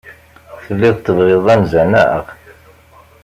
Telliḍ tebɣiḍ anza, naɣ?